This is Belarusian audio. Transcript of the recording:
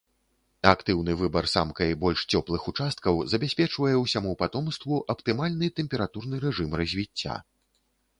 Актыўны выбар самкай больш цёплых участкаў забяспечвае ўсяму патомству аптымальны тэмпературны рэжым развіцця.